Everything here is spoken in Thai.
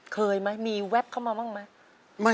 เคยไหมมีแวบเข้ามาบ้างไหม